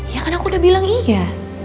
ya kan aku udah bilang iya